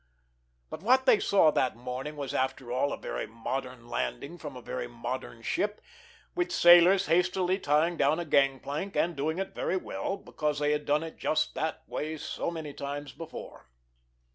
But what they saw that morning was, after all, a very modern landing, from a very modern ship, with sailors hastily tying down a gang plank, and doing it very well because they had done it just that way so many times before.